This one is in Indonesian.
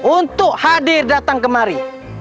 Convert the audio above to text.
untuk hadir datang kemari